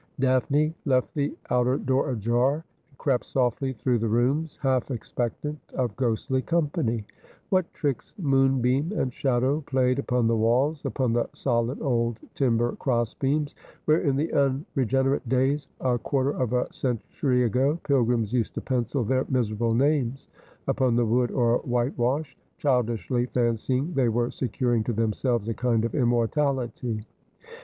Daphne left the outer door ajar, and crept softly through the rooms, half expectant of ghostly company. What tricks moonbeam and shadow played upon the walls, upon the solid old timber crossbeams, where in the unregenerate days, a quar ter of a century ago, pilgrims used to pencil their miserable names upon the wood or whitewash, childishly fancying they were securing to themselves a kind of immortality.